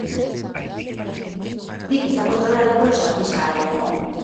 Di que está controlada polos afíns a Errejón.